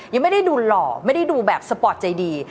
ยังไม่ได้ดูหล่อไม่ได้ดูแบบสปอร์ตใจดี